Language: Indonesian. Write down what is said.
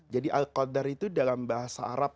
jadi al qadar itu dalam bahasa arab